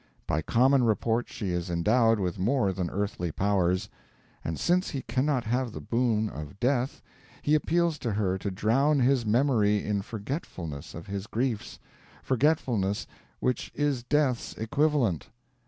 By common report she is endowed with more than earthly powers; and since he cannot have the boon of death, he appeals to her to drown his memory in forgetfulness of his griefs forgetfulness 'which is death's equivalent'.